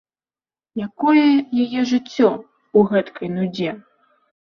Якое яе жыццё ў гэткай нудзе?